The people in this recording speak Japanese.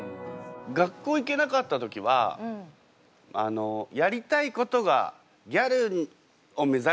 学校行けなかった時はやりたいことが「ギャルを目指したい」。